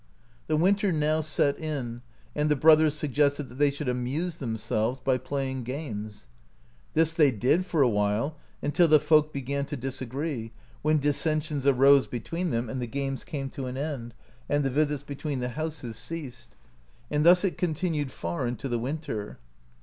The winter now set in, and the brothers suggested that they should amuse themselves by playing games. This they did for a time, until the folk began to disagree, when dissensions arose between them, and the games came to an end, and the visits between the houses ceased; and thus it continued far into the winter.